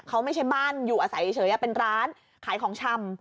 เขาไม่ใช่บ้านอยู่อาศัยเฉยเป็นร้านขายของชำ